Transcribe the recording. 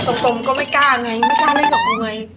ตรงตมก็ไม่กล้าไงไม่กล้าเล่นกับตัวไง